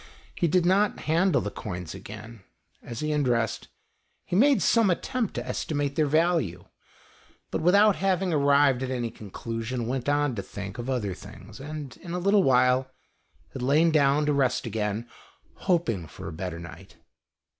He did not handle the coins again. As he undressed, he made some attempt to estimate their value, but without having arrived at any conclusion, went on to think of other things, and in a little while had lain down to rest again, hoping for a better night.